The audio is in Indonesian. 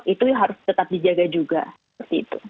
itu harus tetap dijaga juga seperti itu